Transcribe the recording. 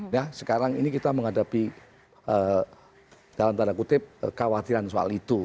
ya sekarang ini kita menghadapi dalam tanda kutip khawatiran soal itu